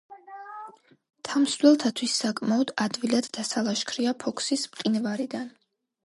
მთამსვლელთათვის საკმაოდ ადვილად დასალაშქრია ფოქსის მყინვარიდან.